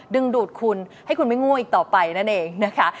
ดึงดูดคุณให้คุณไม่ง่วงอีกต่อไปนั่นเองนะคะ